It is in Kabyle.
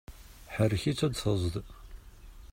Ḥerrek-itt ad tezḍ!